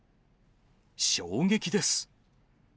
衝撃です。